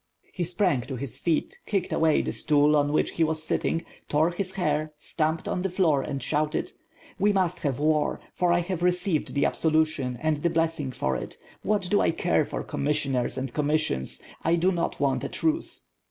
He sprang to his feet, kicked away the stool on which he was sitting, tore his hair, stamped on the fioor and shouted: *'We must have war, for I have received the absolution and the blessing for it! What do I care for commissioners and commissions; I do not want a truce."